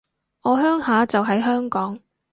我鄉下就喺香港